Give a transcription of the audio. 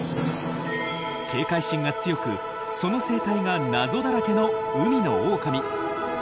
警戒心が強くその生態が謎だらけの海のオオカミ。